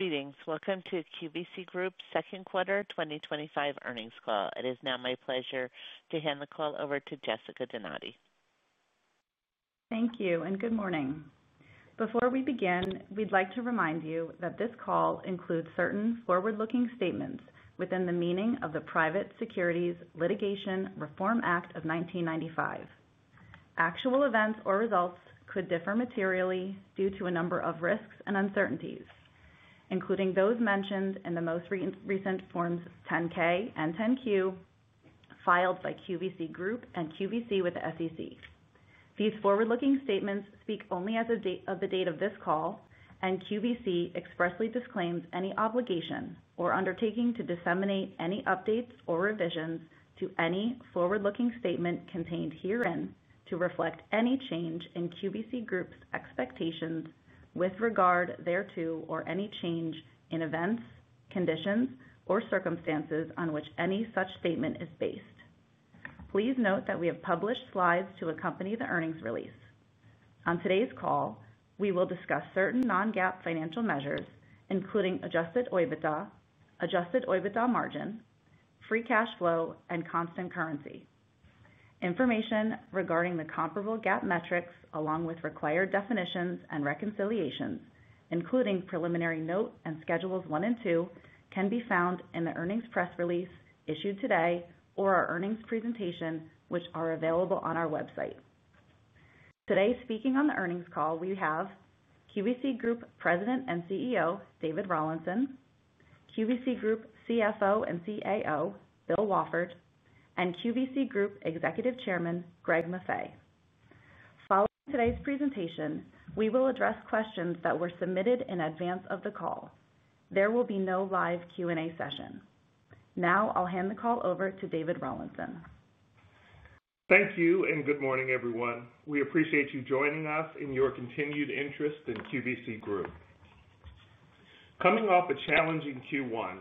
Greetings. Welcome to QVC Group's Second Quarter 2025 Earnings Call. It is now my pleasure to hand the call over to Jessica Donati. Thank you, and good morning. Before we begin, we'd like to remind you that this call includes certain forward-looking statements within the meaning of the Private Securities Litigation Reform Act of 1995. Actual events or results could differ materially due to a number of risks and uncertainties, including those mentioned in the most recent Forms 10-K and 10-Q filed by QVC Group and QVC with the SEC. These forward-looking statements speak only as of the date of this call, and QVC expressly disclaims any obligation or undertaking to disseminate any updates or revisions to any forward-looking statement contained herein to reflect any change in QVC Group's expectations with regard thereto or any change in events, conditions, or circumstances on which any such statement is based. Please note that we have published slides to accompany the earnings release. On today's call, we will discuss certain non-GAAP financial measures, including adjusted EBITDA, adjusted EBITDA margin, free cash flow, and constant currency. Information regarding the comparable GAAP metrics, along with required definitions and reconciliations, including preliminary note and Schedules One and Two, can be found in the earnings press release issued today or our earnings presentation, which are available on our website. Today, speaking on the earnings call, we have QVC Group President and CEO David Rawlinson, QVC Group CFO and CAO Bill Wafford, and QVC Group Executive Chairman Greg Maffei. Following today's presentation, we will address questions that were submitted in advance of the call. There will be no live Q&A session. Now, I'll hand the call over to David Rawlinson. Thank you, and good morning, everyone. We appreciate you joining us in your continued interest in QVC Group. Coming off a challenging Q1,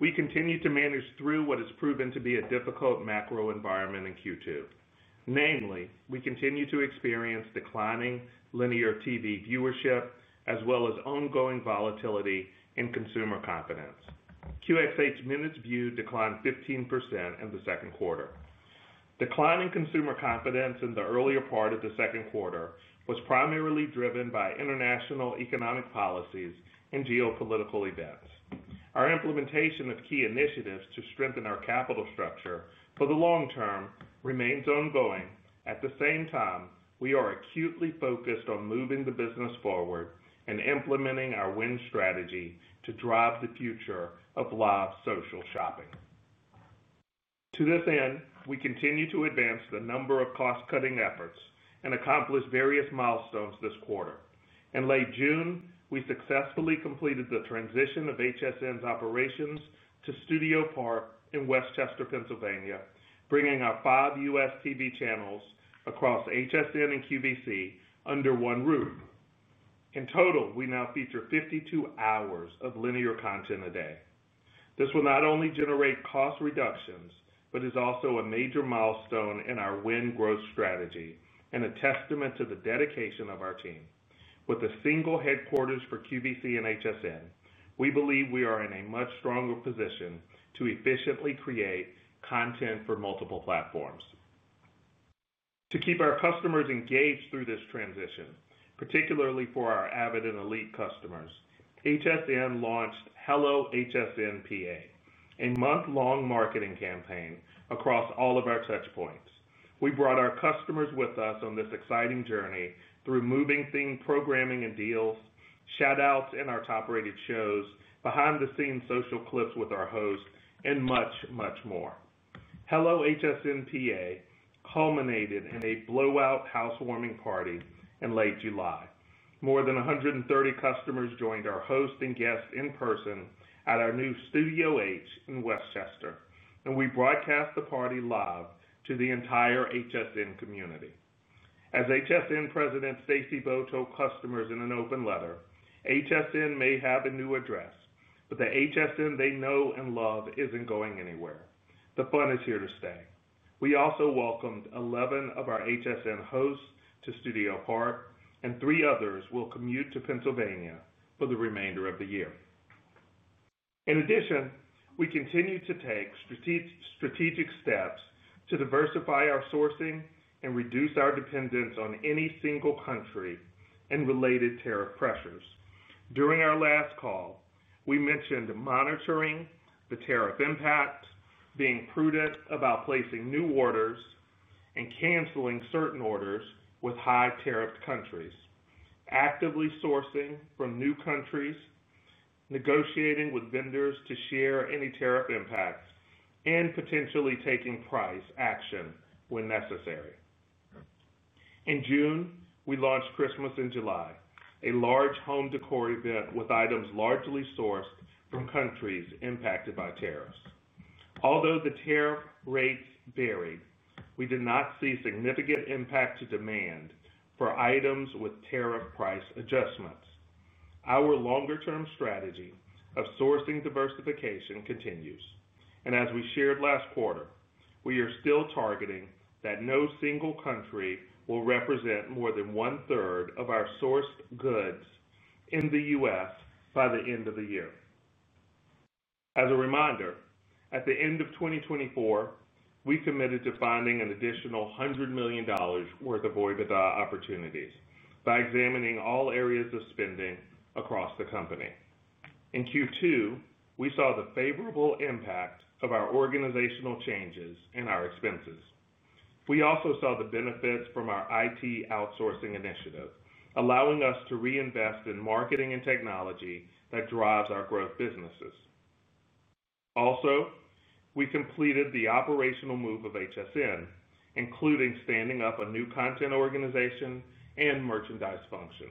we continue to manage through what has proven to be a difficult macro environment in Q2. Namely, we continue to experience declining linear TV viewership, as well as ongoing volatility in consumer confidence. QxH minutes viewed declined 15% in the second quarter. Declining consumer confidence in the earlier part of the second quarter was primarily driven by international economic policies and geopolitical events. Our implementation of key initiatives to strengthen our capital structure for the long term remains ongoing. At the same time, we are acutely focused on moving the business forward and implementing our win strategy to drive the future of live social shopping. To this end, we continue to advance a number of cost-cutting efforts and accomplish various milestones this quarter. In late June, we successfully completed the transition of HSN's operations to Studio Park in Westchester, Pennsylvania, bringing our five U.S. TV channels across HSN and QVC under one roof. In total, we now feature 52 hours of linear content a day. This will not only generate cost reductions, but is also a major milestone in our win growth strategy and a testament to the dedication of our team. With a single headquarters for QVC and HSN, we believe we are in a much stronger position to efficiently create content for multiple platforms. To keep our customers engaged through this transition, particularly for our avid and elite customers, HSN launched Hello HSN PA, a month-long marketing campaign across all of our touchpoints. We brought our customers with us on this exciting journey through moving theme programming and deals, shout-outs in our top-rated shows, behind-the-scenes social clips with our hosts, and much, much more. Hello HSN PA culminated in a blowout housewarming party in late July. More than 130 customers joined our hosts and guests in person at our new Studio H in Westchester, and we broadcast the party live to the entire HSN community. As HSN President Stacy Bowe told customers in an open letter, HSN may have a new address, but the HSN they know and love isn't going anywhere. The fun is here to stay. We also welcomed 11 of our HSN hosts to Studio Park, and three others will commute to Pennsylvania for the remainder of the year. In addition, we continue to take strategic steps to diversify our sourcing and reduce our dependence on any single country and related tariff pressures. During our last call, we mentioned monitoring the tariff impact, being prudent about placing new orders, and canceling certain orders with high-tariffed countries, actively sourcing from new countries, negotiating with vendors to share any tariff impacts, and potentially taking price action when necessary. In June, we launched Christmas in July, a large home decor event with items largely sourced from countries impacted by tariffs. Although the tariff rates varied, we did not see significant impact to demand for items with tariff price adjustments. Our longer-term strategy of sourcing diversification continues, and as we shared last quarter, we are still targeting that no single country will represent more than one-third of our sourced goods in the U.S. by the end of the year. As a reminder, at the end of 2024, we committed to finding an additional $100 million worth of EBITDA opportunities by examining all areas of spending across the company. In Q2, we saw the favorable impact of our organizational changes and our expenses. We also saw the benefits from our IT outsourcing initiative, allowing us to reinvest in marketing and technology that drives our growth businesses. Also, we completed the operational move of HSN, including standing up a new content organization and merchandise function.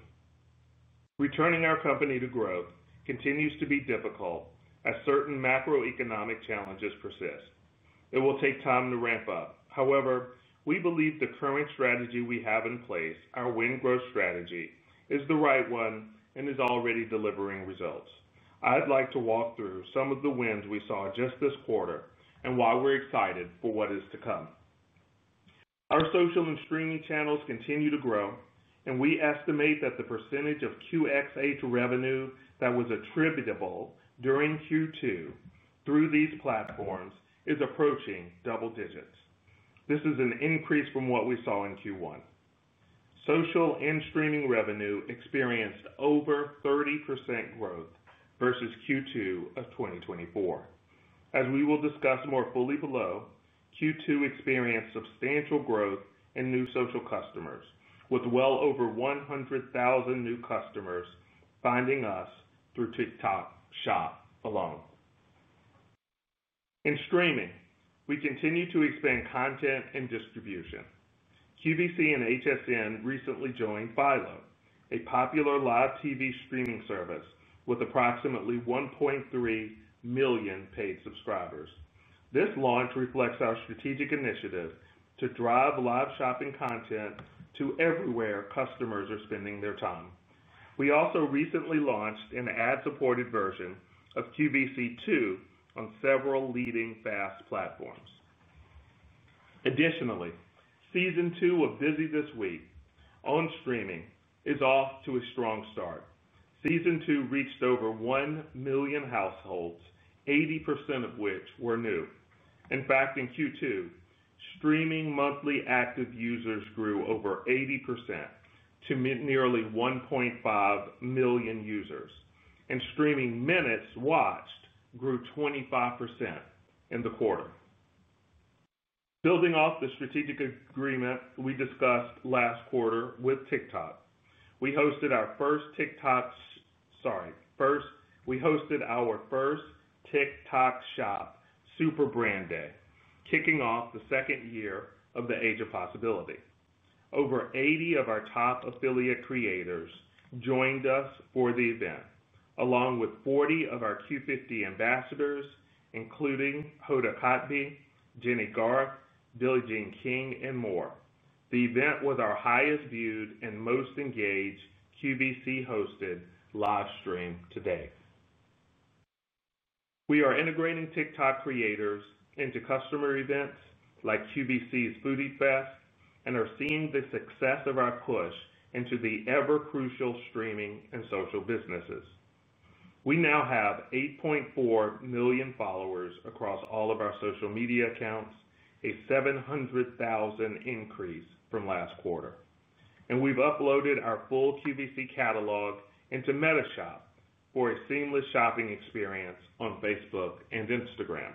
Returning our company to growth continues to be difficult as certain macroeconomic challenges persist. It will take time to ramp up. However, we believe the current strategy we have in place, our win growth strategy, is the right one and is already delivering results. I'd like to walk through some of the wins we saw just this quarter and why we're excited for what is to come. Our social and streaming channels continue to grow, and we estimate that the percentage of QxH revenue that was attributable during Q2 through these platforms is approaching double digits. This is an increase from what we saw in Q1. Social and streaming revenue experienced over 30% growth versus Q2 of 2024. As we will discuss more fully below, Q2 experienced substantial growth in new social customers, with well over 100,000 new customers finding us through TikTok Shop alone. In streaming, we continue to expand content and distribution. QVC and HSN recently joined Philo, a popular live TV streaming service with approximately 1.3 million paid subscribers. This launch reflects our strategic initiative to drive live shopping content to everywhere customers are spending their time. We also recently launched an ad-supported version of QVC 2 on several leading FAST platforms. Additionally, Season 2 of Busy This Week on streaming is off to a strong start. Season 2 reached over 1 million households, 80% of which were new. In fact, in Q2, streaming monthly active users grew over 80% to nearly 1.5 million users, and streaming minutes watched grew 25% in the quarter. Building off the strategic agreement we discussed last quarter with TikTok, we hosted our first TikTok Shop Super Brand Day, kicking off the second year of the Age of Possibility. Over 80 of our top affiliate creators joined us for the event, along with 40 of our Q50 ambassadors, including Hoda Kotb, Jennie Garth, Billie Jean King, and more. The event was our highest viewed and most engaged QVC-hosted live stream to date. We are integrating TikTok creators into customer events like QVC's Foodie Fest and are seeing the success of our push into the ever-crucial streaming and social businesses. We now have 8.4 million followers across all of our social media accounts, a 700,000 increase from last quarter. We've uploaded our full QVC catalog into MetaShop for a seamless shopping experience on Facebook and Instagram.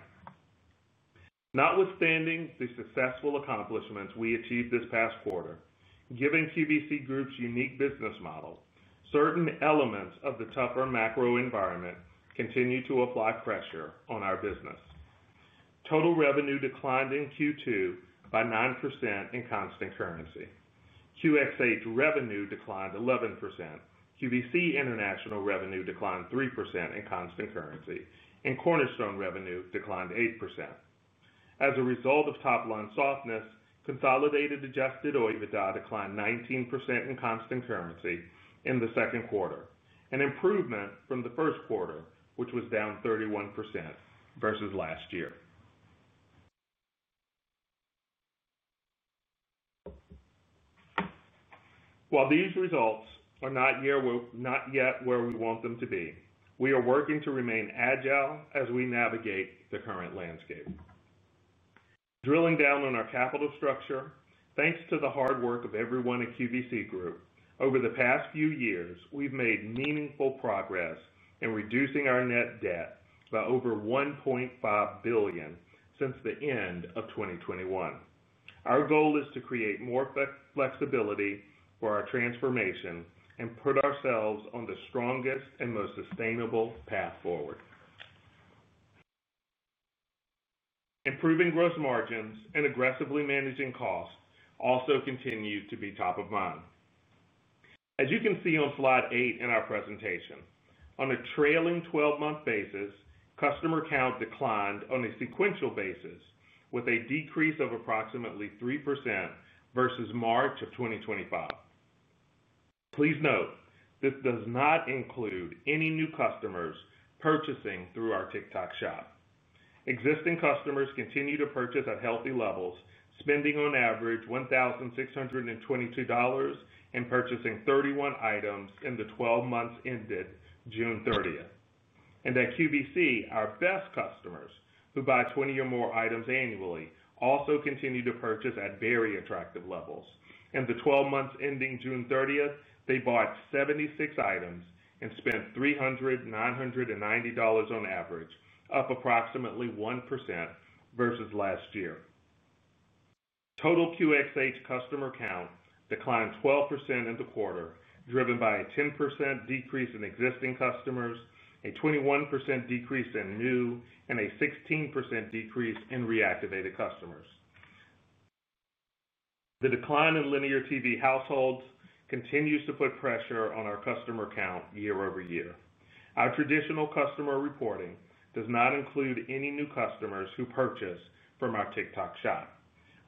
Notwithstanding the successful accomplishments we achieved this past quarter, given QVC Group's unique business model, certain elements of the tougher macro environment continue to apply pressure on our business. Total revenue declined in Q2 by 9% in constant currency. QxH revenue declined 11%. QVC International revenue declined 3% in constant currency, and Cornerstone revenue declined 8%. As a result of top-line softness, consolidated adjusted EBITDA declined 19% in constant currency in the second quarter, an improvement from the first quarter, which was down 31% versus last year. While these results are not yet where we want them to be, we are working to remain agile as we navigate the current landscape. Drilling down on our capital structure, thanks to the hard work of everyone at QVC Group, over the past few years, we've made meaningful progress in reducing our net debt by over $1.5 billion since the end of 2021. Our goal is to create more flexibility for our transformation and put ourselves on the strongest and most sustainable path forward. Improving gross margins and aggressively managing costs also continue to be top of mind. As you can see on slide eight in our presentation, on a trailing 12-month basis, customer count declined on a sequential basis, with a decrease of approximately 3% versus March of 2025. Please note, this does not include any new customers purchasing through our TikTok Shop. Existing customers continue to purchase at healthy levels, spending on average $1,622 and purchasing 31 items in the 12 months ended June 30th. At QVC, our best customers, who buy 20 or more items annually, also continue to purchase at very attractive levels. In the 12 months ending June 30th, they bought 76 items and spent $3,990 on average, up approximately 1% versus last year. Total QxH customer count declined 12% in the quarter, driven by a 10% decrease in existing customers, a 21% decrease in new, and a 16% decrease in reactivated customers. The decline in linear TV households continues to put pressure on our customer count year-over-year. Our traditional customer reporting does not include any new customers who purchase from our TikTok Shop.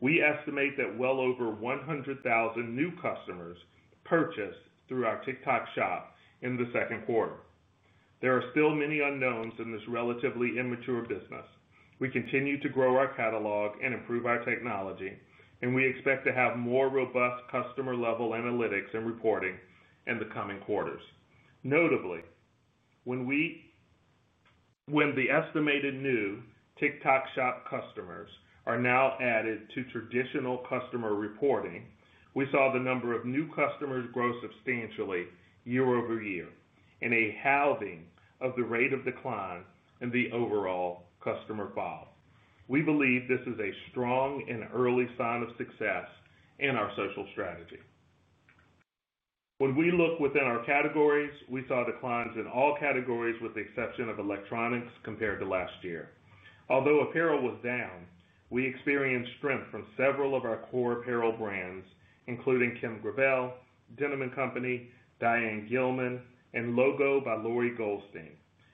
We estimate that well over 100,000 new customers purchased through our TikTok Shop in the second quarter. There are still many unknowns in this relatively immature business. We continue to grow our catalog and improve our technology, and we expect to have more robust customer-level analytics and reporting in the coming quarters. Notably, when the estimated new TikTok Shop customers are now added to traditional customer reporting, we saw the number of new customers grow substantially year-over-year in a halving of the rate of decline in the overall customer file. We believe this is a strong and early sign of success in our social strategy. When we look within our categories, we saw declines in all categories with the exception of electronics compared to last year. Although apparel was down, we experienced strength from several of our core apparel brands, including Kim Gravel, Denim & Co, Diane Gilman, and LOGO by Lori Goldstein,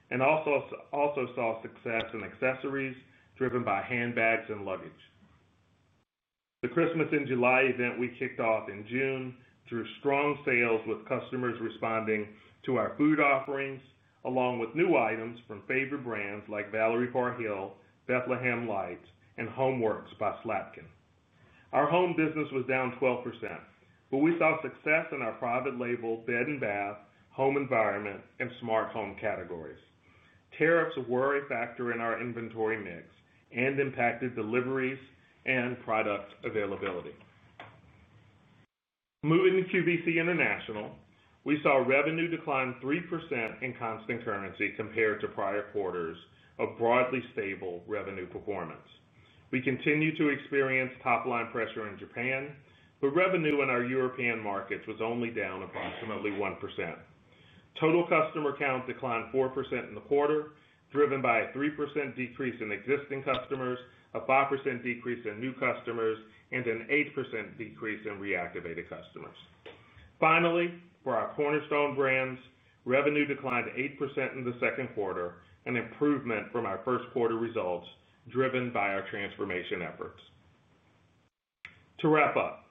and also saw success in accessories driven by handbags and luggage. The Christmas in July event we kicked off in June drew strong sales with customers responding to our food offerings, along with new items from favorite brands like Valerie Parr Hill, Bethlehem Lights, and Homeworks by Slatkin. Our home business was down 12%, but we saw success in our private label, bed and bath, home environment, and smart home categories. Tariffs were a factor in our inventory mix and impacted deliveries and product availability. Moving to QVC International, we saw revenue decline 3% in constant currency compared to prior quarters of broadly stable revenue performance. We continue to experience top-line pressure in Japan, but revenue in our European markets was only down approximately 1%. Total customer count declined 4% in the quarter, driven by a 3% decrease in existing customers, a 5% decrease in new customers, and an 8% decrease in reactivated customers. Finally, for our Cornerstone brands, revenue declined 8% in the second quarter, an improvement from our first quarter results driven by our transformation efforts. To wrap up,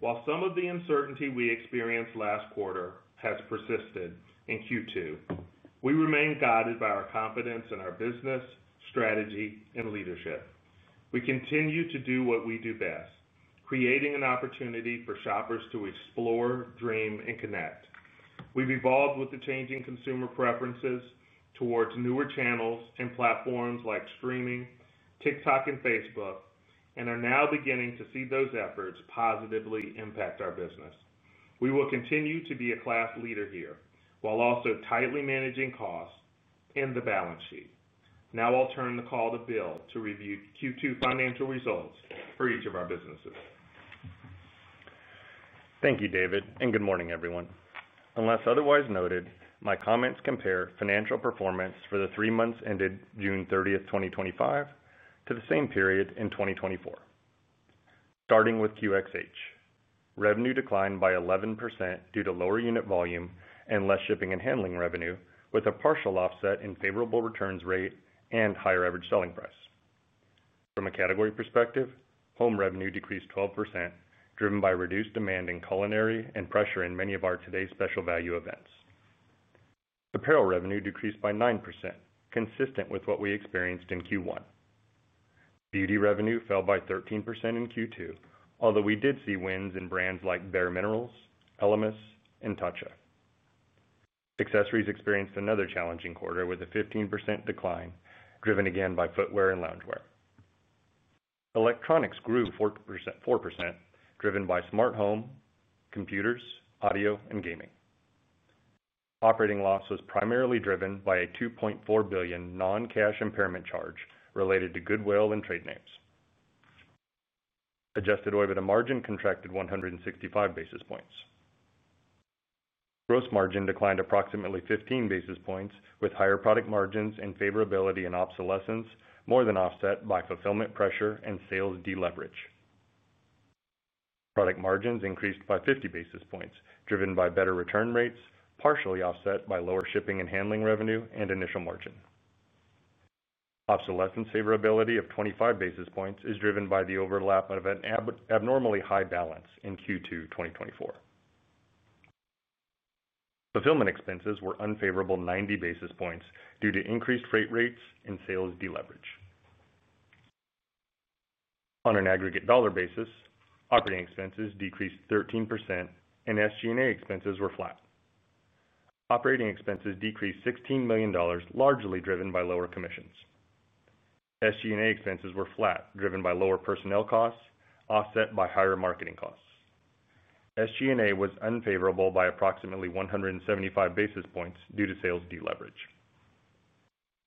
while some of the uncertainty we experienced last quarter has persisted in Q2, we remain guided by our confidence in our business, strategy, and leadership. We continue to do what we do best, creating an opportunity for shoppers to explore, dream, and connect. We've evolved with the changing consumer preferences towards newer channels and platforms like streaming, TikTok, and Facebook, and are now beginning to see those efforts positively impact our business. We will continue to be a class leader here while also tightly managing costs in the balance sheet. Now I'll turn the call to Bill to review Q2 financial results for each of our businesses. Thank you, David, and good morning, everyone. Unless otherwise noted, my comments compare financial performance for the three months ended June 30th, 2025 to the same period in 2024. Starting with QxH, revenue declined by 11% due to lower unit volume and less shipping and handling revenue, with a partial offset in favorable returns rate and higher average selling price. From a category perspective, home revenue decreased 12%, driven by reduced demand in culinary and pressure in many of our Today's Special Value events. Apparel revenue decreased by 9%, consistent with what we experienced in Q1. Beauty revenue fell by 13% in Q2, although we did see wins in brands like Bare Minerals, Elemis, and Tatcha. Accessories experienced another challenging quarter with a 15% decline, driven again by footwear and loungewear. Electronics grew 4%, driven by smart home, computers, audio, and gaming. Operating loss was primarily driven by a $2.4 billion non-cash impairment charge related to goodwill and trade names. Adjusted EBITDA margin contracted 165 basis points. Gross margin declined approximately 15 basis points, with higher product margins and favorability in obsolescence more than offset by fulfillment pressure and sales deleverage. Product margins increased by 50 basis points, driven by better return rates, partially offset by lower shipping and handling revenue and initial margin. Obsolescence favorability of 25 basis points is driven by the overlap of an abnormally high balance in Q2 2024. Fulfillment expenses were unfavorable 90 basis points due to increased freight rates and sales deleverage. On an aggregate dollar basis, operating expenses decreased 13% and SG&A expenses were flat. Operating expenses decreased $16 million, largely driven by lower commissions. SG&A expenses were flat, driven by lower personnel costs, offset by higher marketing costs. SG&A was unfavorable by approximately 175 basis points due to sales deleverage.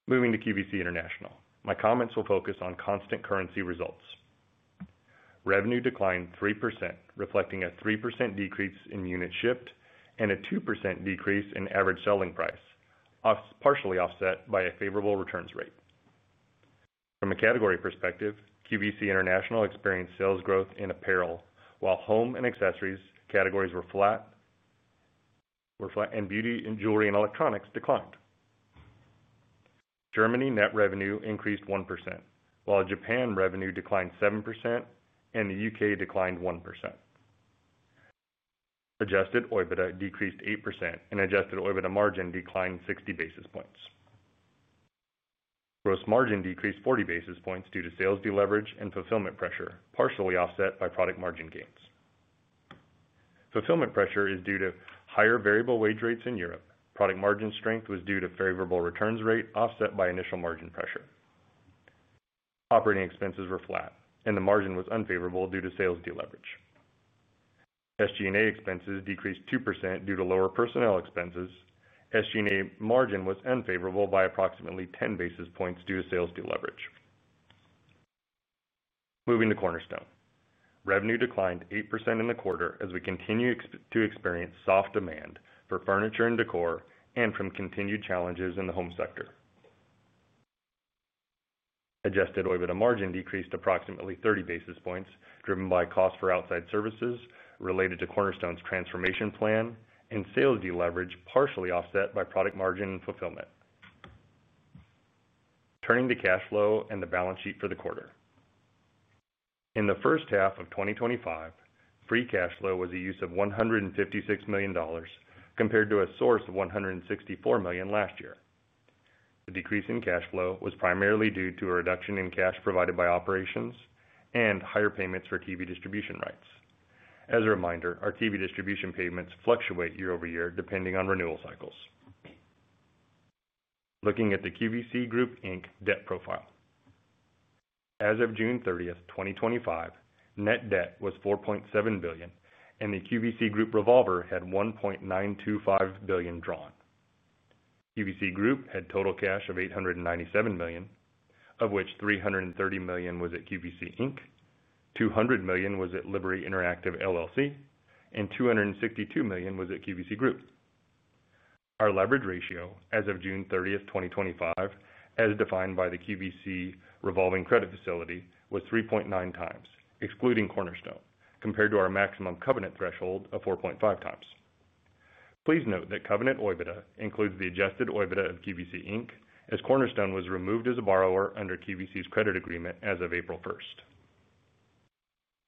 Moving to QVC International, my comments will focus on constant currency results. Revenue declined 3%, reflecting a 3% decrease in units shipped and a 2% decrease in average selling price, partially offset by a favorable returns rate. From a category perspective, QVC International experienced sales growth in apparel, while home and accessories categories were flat, and beauty and jewelry and electronics declined. Germany net revenue increased 1%, while Japan revenue declined 7% and the UK declined 1%. Adjusted EBITDA decreased 8% and adjusted EBITDA margin declined 60 basis points. Gross margin decreased 40 basis points due to sales deleverage and fulfillment pressure, partially offset by product margin gains. Fulfillment pressure is due to higher variable wage rates in Europe. Product margin strength was due to favorable returns rate offset by initial margin pressure. Operating expenses were flat and the margin was unfavorable due to sales deleverage. SG&A expenses decreased 2% due to lower personnel expenses. SG&A margin was unfavorable by approximately 10 basis points due to sales deleverage. Moving to Cornerstone, revenue declined 8% in the quarter as we continue to experience soft demand for furniture and decor and from continued challenges in the home sector. Adjusted EBITDA margin decreased approximately 30 basis points, driven by costs for outside services related to Cornerstone's transformation plan and sales deleverage, partially offset by product margin and fulfillment. Turning to cash flow and the balance sheet for the quarter. In the first half of 2025, free cash flow was a use of $156 million compared to a source of $164 million last year. The decrease in cash flow was primarily due to a reduction in cash provided by operations and higher payments for TV distribution rights. As a reminder, our TV distribution payments fluctuate year over year depending on renewal cycles. Looking at the QVC Group Inc. debt profile. As of June 30th, 2025, net debt was $4.7 billion and the QVC Group revolver had $1.925 billion drawn. QVC Group had total cash of $897 million, of which $330 million was at QVC Inc., $200 million was at Liberty Interactive LLC, and $262 million was at QVC Group. Our leverage ratio as of June 30, 2025, as defined by the QVC revolving credit facility, was 3.9x, excluding Cornerstone, compared to our maximum covenant threshold of 4.5x. Please note that covenant EBITDA includes the adjusted EBITDA of QVC Inc. as Cornerstone was removed as a borrower under QVC's credit agreement as of April 1.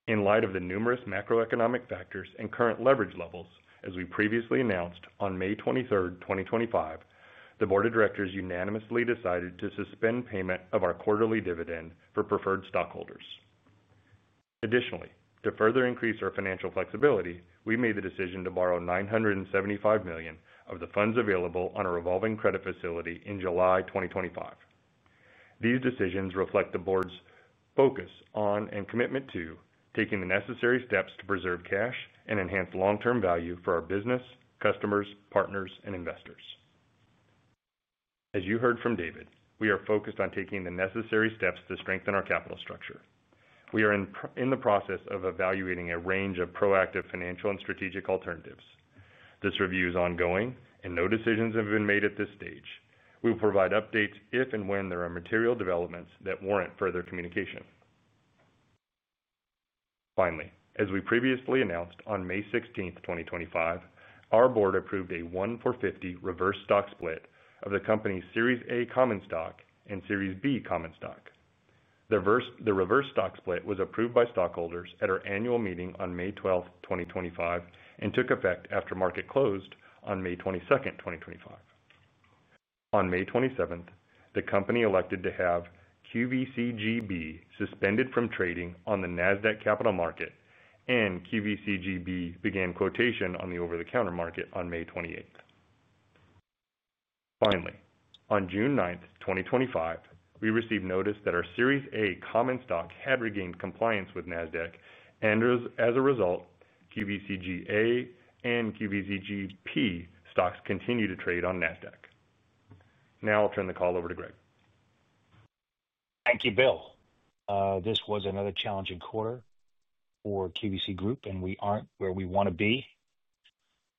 In light of the numerous macroeconomic factors and current leverage levels, as we previously announced on May 23, 2025, the Board of Directors unanimously decided to suspend payment of our quarterly dividend for preferred stockholders. Additionally, to further increase our financial flexibility, we made the decision to borrow $975 million of the funds available on a revolving credit facility in July 2025. These decisions reflect the Board's focus on and commitment to taking the necessary steps to preserve cash and enhance long-term value for our business, customers, partners, and investors. As you heard from David, we are focused on taking the necessary steps to strengthen our capital structure. We are in the process of evaluating a range of proactive financial and strategic alternatives. This review is ongoing and no decisions have been made at this stage. We will provide updates if and when there are material developments that warrant further communication. Finally, as we previously announced on May 16th, 2025, our Board approved a 1-for-450 reverse stock split of the company's Series A common stock and Series B common stock. The reverse stock split was approved by stockholders at our annual meeting on May 12, 2025, and took effect after market closed on May 22, 2025. On May 27, the company elected to have QVCGB suspended from trading on the Nasdaq Capital Market, and QVCGB began quotation on the over-the-counter market on May 28. Finally, on June 9, 2025, we received notice that our Series A common stock had regained compliance with Nasdaq, and as a result, QVCGA and QVCGB stocks continue to trade on Nasdaq. Now I'll turn the call over to Greg. Thank you, Bill. This was another challenging quarter for QVC Group, and we aren't where we want to be.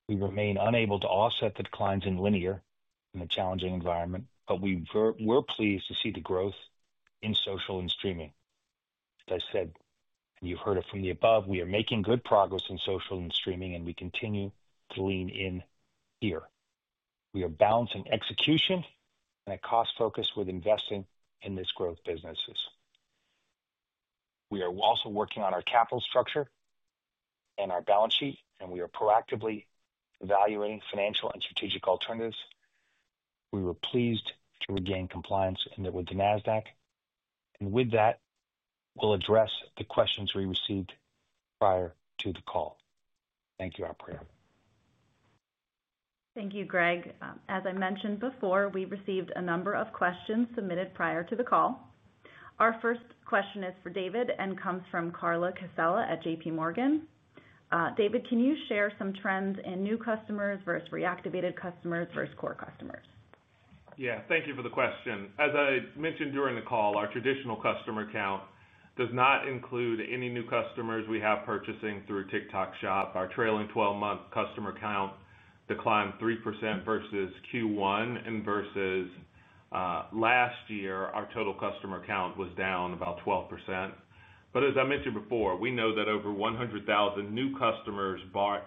We remain unable to offset the declines in linear in a challenging environment, but we're pleased to see the growth in social and streaming. As I said, you've heard it from the above, we are making good progress in social and streaming, and we continue to lean in here. We are balancing execution and a cost focus with investing in this growth business. We are also working on our capital structure and our balance sheet, and we are proactively evaluating financial and strategic alternatives. We were pleased to regain compliance with the Nasdaq, and with that, we'll address the questions we received prior to the call. Thank you, operator. Thank you, Greg. As I mentioned before, we received a number of questions submitted prior to the call. Our first question is for David and comes from Carla Casella at JPMorgan. David, can you share some trends in new customers versus reactivated customers versus core customers? Yeah, thank you for the question. As I mentioned during the call, our traditional customer count does not include any new customers we have purchasing through TikTok Shop. Our trailing 12-month customer count declined 3% versus Q1, and versus last year, our total customer count was down about 12%. As I mentioned before, we know that over 100,000 new customers bought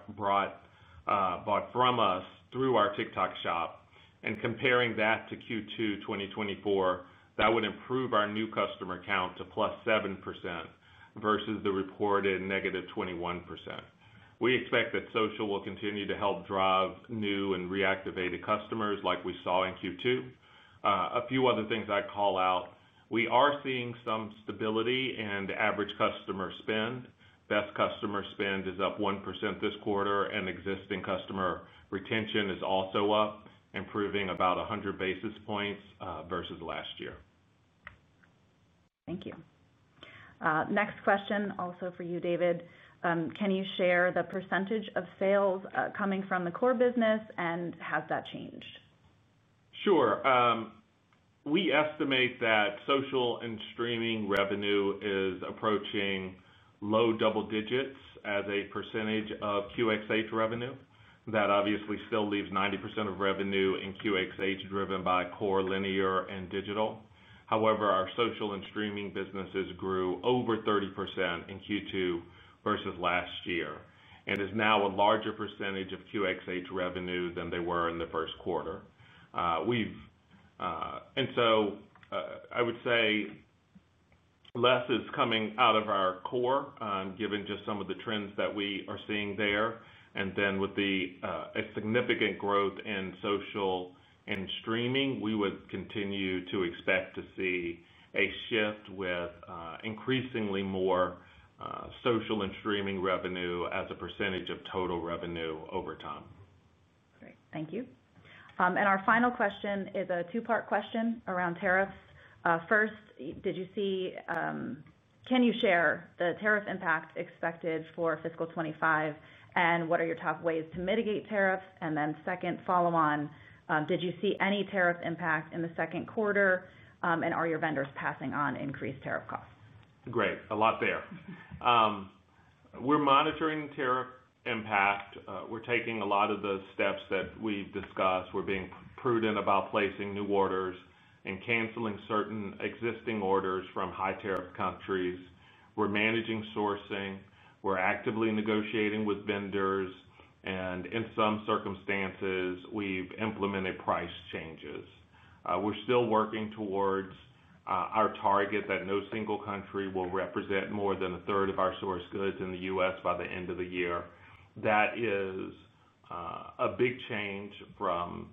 from us through our TikTok Shop, and comparing that to Q2 2024, that would improve our new customer count to +7% versus the reported -21%. We expect that social will continue to help drive new and reactivated customers like we saw in Q2. A few other things I'd call out. We are seeing some stability in the average customer spend. Best customer spend is up 1% this quarter, and existing customer retention is also up, improving about 100 basis points versus last year. Thank you. Next question also for you, David. Can you share the percentage of sales coming from the core business, and has that changed? Sure. We estimate that social and streaming revenue is approaching low double digits as a percentage of QxH revenue. That obviously still leaves 90% of revenue in QxH driven by core linear and digital. However, our social and streaming businesses grew over 30% in Q2 versus last year and is now a larger percentage of QxH revenue than they were in the first quarter. I would say less is coming out of our core given just some of the trends that we are seeing there. With the significant growth in social and streaming, we would continue to expect to see a shift with increasingly more social and streaming revenue as a percentage of total revenue over time. Great, thank you. Our final question is a two-part question around tariffs. First, did you see, can you share the tariff impact expected for fiscal 2025 and what are your top ways to mitigate tariffs? Second, follow on, did you see any tariff impact in the second quarter and are your vendors passing on increased tariff costs? Great, a lot there. We're monitoring tariff impact. We're taking a lot of the steps that we've discussed. We're being prudent about placing new orders and canceling certain existing orders from high tariff countries. We're managing sourcing. We're actively negotiating with vendors, and in some circumstances, we've implemented price changes. We're still working towards our target that no single country will represent more than a third of our source goods in the U.S. by the end of the year. That is a big change from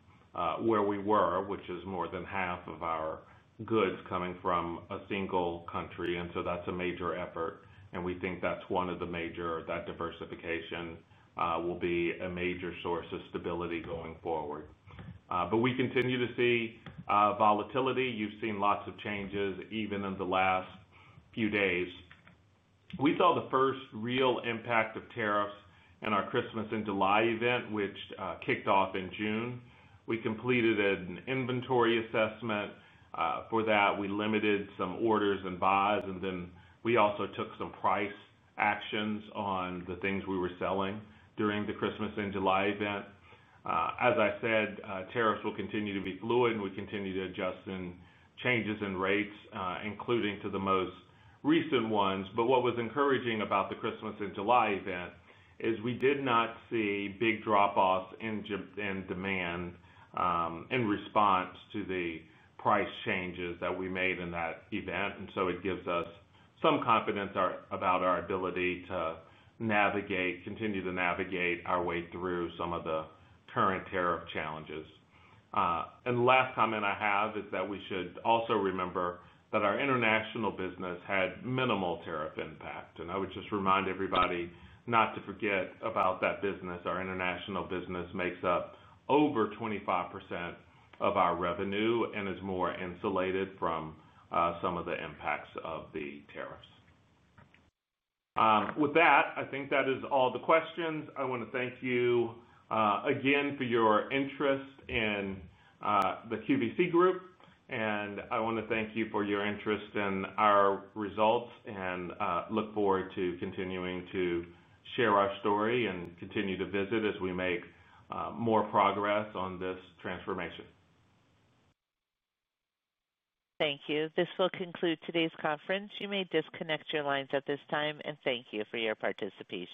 where we were, which is more than half of our goods coming from a single country. That is a major effort, and we think that diversification will be a major source of stability going forward. We continue to see volatility. You've seen lots of changes even in the last few days. We saw the first real impact of tariffs in our Christmas in July event, which kicked off in June. We completed an inventory assessment. For that, we limited some orders and buys, and we also took some price actions on the things we were selling during the Christmas in July event. As I said, tariffs will continue to be fluid, and we continue to adjust in changes in rates, including to the most recent ones. What was encouraging about the Christmas in July event is we did not see big drop-offs in demand in response to the price changes that we made in that event. It gives us some confidence about our ability to navigate, continue to navigate our way through some of the current tariff challenges. The last comment I have is that we should also remember that our international business had minimal tariff impact. I would just remind everybody not to forget about that business. Our international business makes up over 25% of our revenue and is more insulated from some of the impacts of the tariffs. With that, I think that is all the questions. I want to thank you again for your interest in the QVC Group, and I want to thank you for your interest in our results and look forward to continuing to share our story and continue to visit as we make more progress on this transformation. Thank you. This will conclude today's conference. You may disconnect your lines at this time, and thank you for your participation.